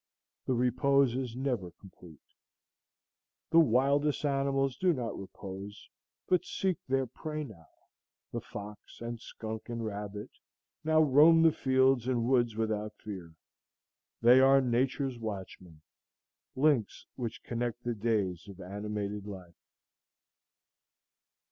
The repose is never complete. The wildest animals do not repose, but seek their prey now; the fox, and skunk, and rabbit, now roam the fields and woods without fear. They are Nature's watchmen,—links which connect the days of animated life.